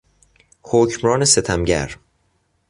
حکمران ستمگر